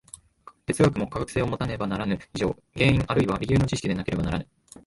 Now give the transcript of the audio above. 哲学も科学性をもたねばならぬ以上、原因あるいは理由の知識でなければならぬ。